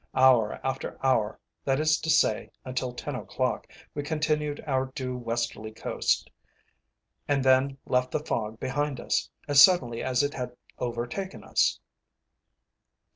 Hour after hour, that is to say until ten o'clock, we continued our due westerly coast, and then left the fog behind us, as suddenly as it had overtaken us.